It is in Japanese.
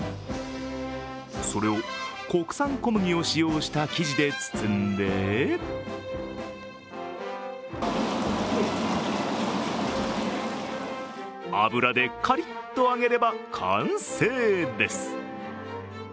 それを国産小麦を使用した生地で包んで油でカリッと揚げれば完成です。